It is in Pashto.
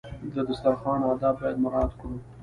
د دسترخوان آداب باید مراعات کړو.